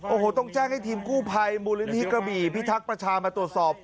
โอ้โหต้องแจ้งให้ทีมกู้ภัยมูลนิธิกระบี่พิทักษ์ประชามาตรวจสอบ